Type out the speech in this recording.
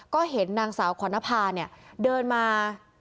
ก็เห็นนางสาวขวัณภาเนี่ยเดินมา